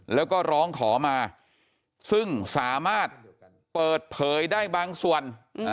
แล้วก็ร้องขอมาซึ่งสามารถเปิดเผยได้บางส่วน